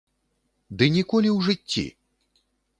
Ды ніколі ў жыцці!